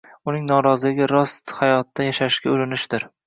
Uning noroziligi rost hayotda yashashga urinishdir.